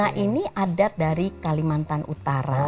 kalian ini adat dari kalimantan putra